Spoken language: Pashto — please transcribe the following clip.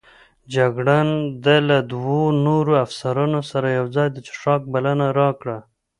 جګړن د له دوو نورو افسرانو سره یوځای د څښاک بلنه راکړه.